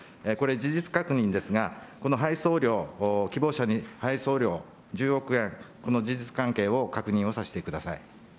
これ、事実確認ですが、この配送料、希望者に、配送料１０億円、この事実関係を確認をさせてください。